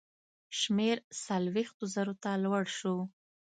شمېر څلوېښتو زرو ته لوړ شو.